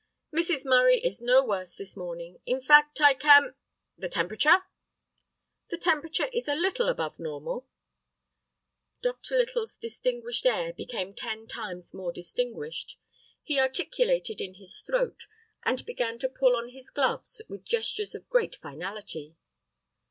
"Mrs. Murray is no worse this morning. In fact—I can—" "The temperature?" "The temperature is a little above normal." Dr. Little's "distinguished air" became ten times more distinguished. He articulated in his throat, and began to pull on his gloves with gestures of great finality.